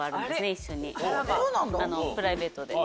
一緒にプライベートで。